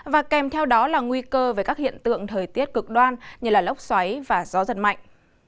và kèm theo đó là nguy cơ về các hiện tượng thời tiết cực đoan như lốc xoáy và gió giật mạnh